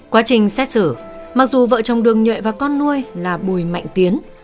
quá trình xét xử mặc dù vợ chồng đường nhuệ và con nuôi là bùi mạnh tiến